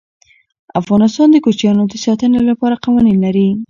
افغانستان د کوچیانو د ساتنې لپاره قوانین لري.